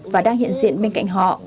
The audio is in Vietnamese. và đang hiện diện bên cạnh họ